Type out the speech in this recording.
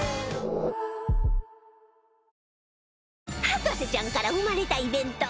『博士ちゃん』から生まれたイベント